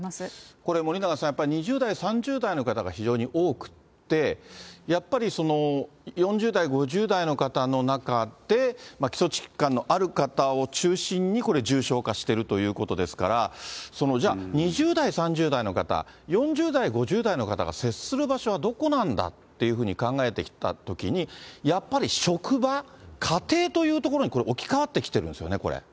これ森永さん、やっぱり２０代、３０代の方が非常に多くて、やっぱり４０代、５０代の方の中で基礎疾患のある方を中心に、これ、重症化してるということですから、じゃあ、２０代、３０代の方、４０代、５０代の方が接する場所はどこなんだっていうふうに考えてきたときに、やっぱり職場、家庭というところにこれ、置き換わってきてるんですよね、これ。